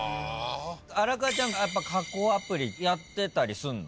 荒川ちゃんやっぱ加工アプリやってたりすんの？